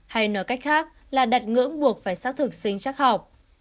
hay nói cách khác là đặt ngưỡng buộc phải xác thực sinh chắc học